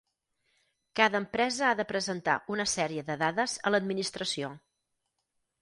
Cada empresa ha de presentar una sèrie de dades a l'Administració.